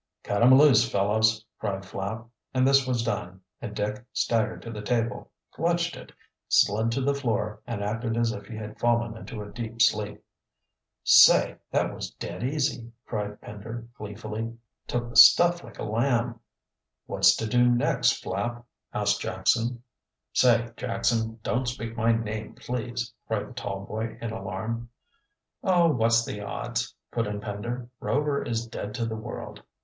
"Cut him loose, fellows!" cried Flapp, and this was done, and Dick staggered to the table, clutched it, slid to the floor and acted as if he had fallen into a deep sleep. "Say, that was dead easy!" cried Pender gleefully. "Took the stuff like a lamb." "What's to do next, Flapp?" asked Jackson. "Say, Jackson, don't speak my name, please," cried the tall boy in alarm. "Oh, what's the odds," put in Pender. "Rover is dead to the world.